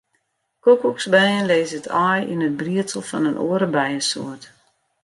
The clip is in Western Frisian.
Koekoeksbijen lizze it aai yn it briedsel fan in oare bijesoart.